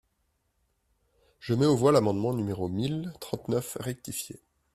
Je mets aux voix l’amendement numéro mille trente-neuf rectifié.